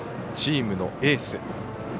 チームのエース。